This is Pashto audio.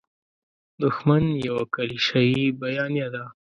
دوښمن یوه کلیشیي بیانیه ده.